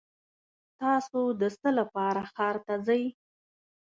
تاسو د څه لپاره ښار ته ځئ؟